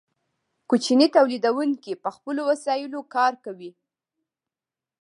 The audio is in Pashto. کوچني تولیدونکي په خپلو وسایلو کار کوي.